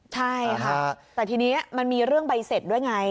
ใช่ค่ะแต่ทีนี้มันมีเรื่องใบเสร็จด้วยไง